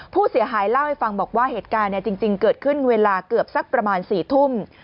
ผู้เสียหายเล่าให้ฟังบอกว่าเหตุการณ์จริงเกิดขึ้นเวลาเกือบสักประมาณ๔ทุ่ม